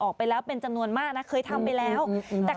ออกไปแล้วเป็นจำนวนมากน่ะเคยทำไปแล้วอืมอืมอืมอืมอืม